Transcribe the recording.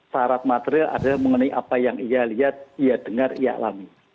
syarat material adalah mengenai apa yang ia lihat ia dengar ia alami